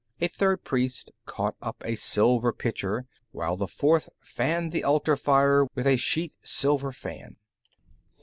A third priest caught up a silver pitcher, while the fourth fanned the altar fire with a sheet silver fan.